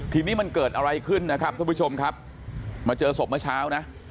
ทีนี้มันเกิดอะไรขึ้นนะครับทุกผู้ชมครับมาเจอศพเมื่อเช้านะ